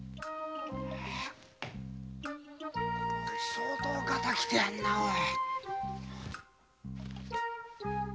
相当ガタがきてやがんなおい。